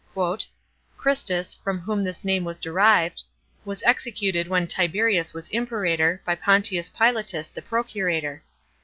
*• Christus, from whom this name was derived, was executed when Tiberius was Imperator, by Pontius Pilatus the procurator.